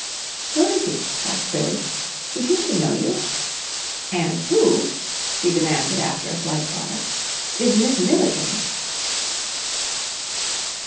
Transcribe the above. "Who is he?" asked Billie. "He seemed to know you? And who," she demanded after a slight pause, "is Miss Milliken?"